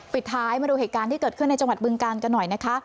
ปิดท้ายมาดูเหตุการณ์ที่เกิดขึ้นในจังหวัดบึงกาลกันหน่อยนะคะ